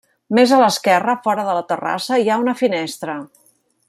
Més a l'esquerra, fora de la terrassa, hi ha una finestra.